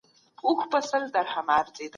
یو انسان باید د بل انسان درناوی وکړي.